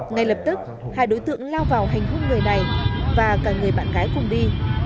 ngay lập tức hai đối tượng lao vào hành hung người này và cả người bạn gái cùng đi